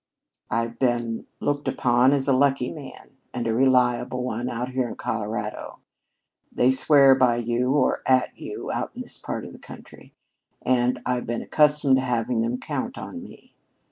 I've been looked upon as a lucky man and a reliable one out here in Colorado. They swear by you or at you out in this part of the country, and I've been accustomed to having them count on me.